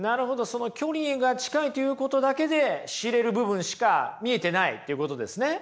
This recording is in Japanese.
その距離が近いということだけで知れる部分しか見えてないっていうことですね。